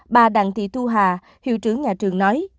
bà đặng thị thu hà hiệu trưởng nhà trường nói